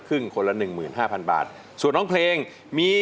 สู้วความพบของคุณพิม